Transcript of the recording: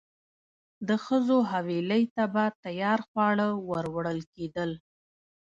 د ښځو حویلۍ ته به تیار خواړه وروړل کېدل.